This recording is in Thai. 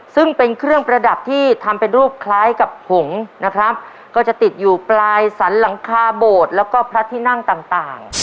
ซึ่งเป็นเครื่องประดับที่ทำเป็นรูปคล้ายกับหงษ์นะครับก็จะติดอยู่ปลายสรรหลังคาโบสถ์แล้วก็พระที่นั่งต่างต่าง